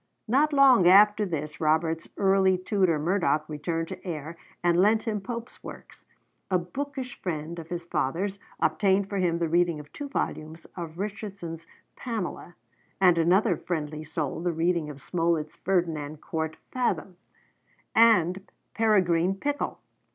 Not long after this Robert's early tutor Murdoch returned to Ayr, and lent him Pope's Works; a bookish friend of his father's obtained for him the reading of two volumes of Richardson's 'Pamela' and another friendly soul the reading of Smollett's 'Ferdinand Count Fathom,' and 'Peregrine Pickle.'